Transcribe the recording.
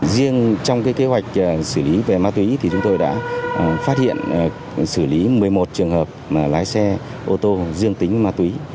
riêng trong kế hoạch xử lý về ma túy thì chúng tôi đã phát hiện xử lý một mươi một trường hợp lái xe ô tô dương tính ma túy